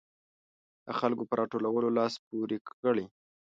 د خلکو په راټولولو لاس پورې کړي.